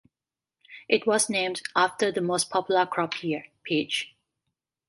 It was named after the most popular crop here, peach.